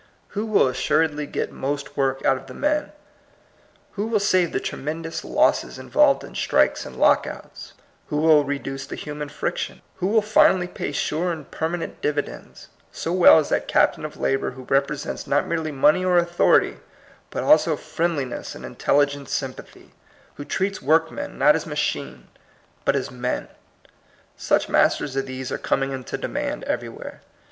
Who will as suredly get most work out of the men, who will save the tremendous losses in volved in strikes and lockouts, who will reduce the human friction, who will final ly pay sure and permanent dividends, so well as that captain of labor who repre sents not merely money or authority, but also friendliness and intelligent sympathy, who treats workmen, not as machines, but as men? Such masters as these are com ing into demand everywhere.